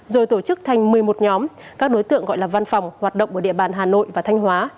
rồi tổ chức thành một mươi một nhóm các đối tượng gọi là văn phòng hoạt động ở địa bàn hà nội và thanh hóa